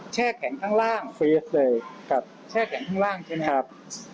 แช่แข็งข้างล่างแช่แข็งข้างล่างใช่ไหมครับ